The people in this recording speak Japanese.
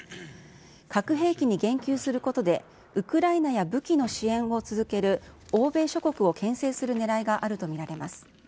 核兵器に言及することで、ウクライナや武器の支援を続ける欧米諸国をけん制するねらいがあると見られます。